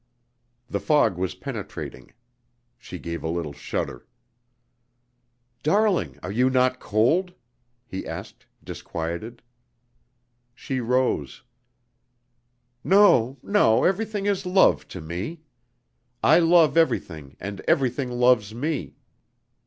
The fog was penetrating. She gave a little shudder. "Darling, you are not cold?" he asked, disquieted. She rose: "No, no. Everything is love to me. I love everything and everything loves me.